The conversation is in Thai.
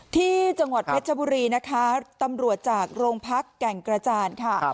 ที่จังหวัดเพชรชบุรีนะคะตำรวจจากโรงพักแก่งกระจานค่ะ